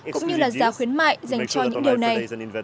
cũng như là giá khuyến mại dành cho những điều này